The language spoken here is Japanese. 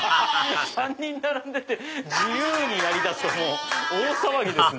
３人並んでて自由に鳴りだすと大騒ぎですね。